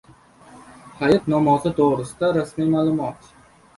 Hayit namozi to‘g‘risida rasmiy ma’lumot